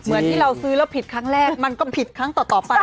เหมือนที่เราซื้อแล้วผิดครั้งแรกมันก็ผิดครั้งต่อไป